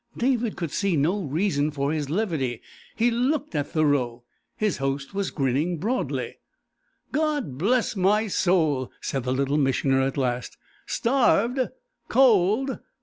David could see no reason for his levity. He looked at Thoreau. His host was grinning broadly. "God bless my soul!" said the Little Missioner at last. "Starved? Cold?